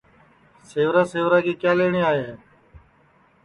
سیوا سیوا کے کیا لئیٹؔے آئے ہے